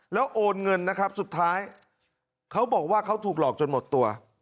แล้วโอนเงินนะครับสุดท้ายเขาบอกว่าเขาถูกหลอกจนหมดตัว